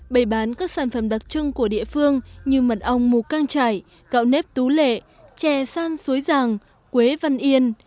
bày bán các sản phẩm đặc trưng của địa phương như mật ong mù căng trải gạo nếp tú lệ chè san suối giàng quế văn yên